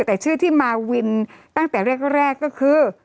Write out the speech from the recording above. แต่ชื่อที่มาวินตั้งแต่แรกก็คือ